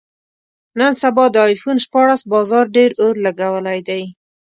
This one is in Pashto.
نن سبا د ایفون شپاړس بازار ډېر اور لګولی دی.